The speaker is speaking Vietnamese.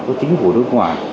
của chính phủ nước ngoài